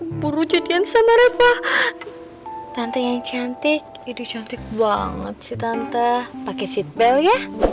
keburu jadian sama repah tante yang cantik itu cantik banget sih tante pakai seatbel ya